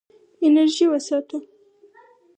انرژي وساته.